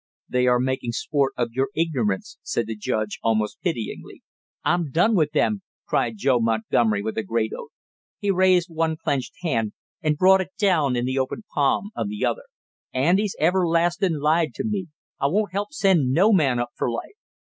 "They are making sport of your ignorance," said the judge, almost pityingly. "I'm done with them!" cried Joe Montgomery with a great oath. He raised one clenched hand and brought it down in the opened palm of the other. "Andy's everlastingly lied to me; I won't help send no man up for life!"